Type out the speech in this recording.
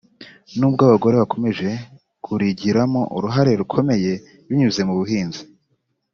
nubwo abagore bakomeje kurigiramo uruhare rukomeye binyuze mu buhinzi